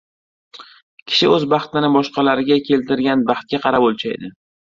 Kishi o‘z baxtini boshqalarga keltirgan baxtiga qarab o‘lchaydi.